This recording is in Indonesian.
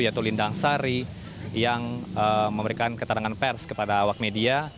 yaitu lindang sari yang memberikan keterangan pers kepada awak media